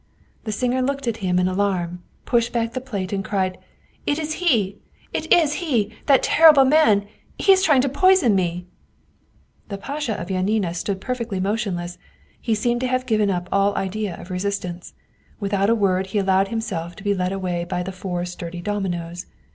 " The singer looked at him in alarm, pushed back the plate, and cried: "It is he, it is he! That terrible man! He is trying to poison me !" The Pasha of Janina stood perfectly motionless he seemed to have given up all idea of resistance. Without a word he allowed himself to be led away by the four sturdy dominos.